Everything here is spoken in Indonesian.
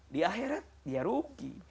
di akhirat dia rugi